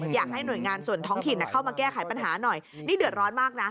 อยากให้หน่วยงานส่วนท้องถิ่นเข้ามาแก้ไขปัญหาหน่อยนี่เดือดร้อนมากนะ